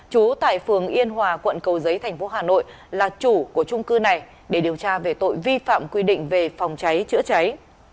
chú tại phường yên hòa quận cầu giấy thành phố hà nội là chủ của trung cư này để điều tra về tội vi phạm quy định về phòng cháy chữa cháy